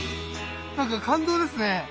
なんか感動ですね。